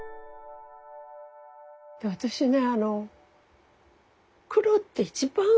私ね